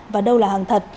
và đâu là hàng thật